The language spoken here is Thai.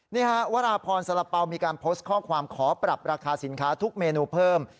นี่ฮะวราพรสละเป๋ามีการโพสต์ข้อความขอปรับราคาสินค้าทุกเมนูเพิ่ม